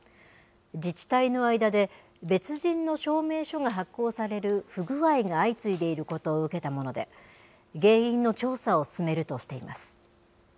自治体の間で別人の証明書が発行される不具合が相次いでいることを受けたもので、原因の調査を進めるとしています。